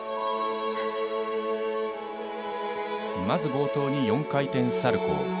まず冒頭に４回転サルコー。